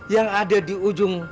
yang ada di ujung